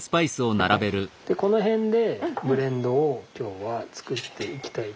この辺でブレンドを今日は作っていきたいと。